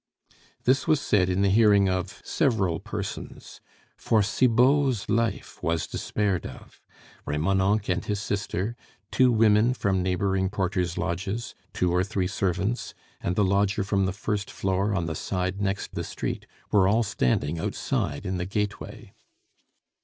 This was said in the hearing of several persons, for Cibot's life was despaired of. Remonencq and his sister, two women from neighboring porters' lodges, two or three servants, and the lodger from the first floor on the side next the street, were all standing outside in the gateway.